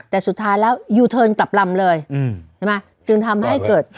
แต่สุดท้ายแล้วยูเทิร์นกลับลำเลยใช่ไหมจึงทำให้เกิด